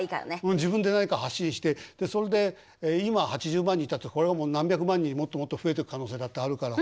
自分で何か発信してそれで今８０万人いたってこれはもう何百万人もっともっと増えてく可能性だってあるから。